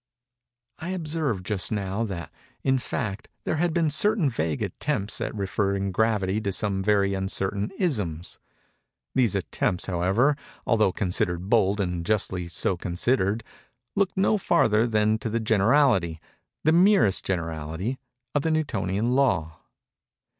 I observed, just now, that, in fact, there had been certain vague attempts at referring Gravity to some very uncertain isms. These attempts, however, although considered bold and justly so considered, looked no farther than to the generality—the merest generality—of the Newtonian Law.